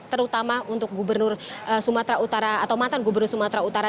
terutama untuk gubernur sumatera utara atau mantan gubernur sumatera utara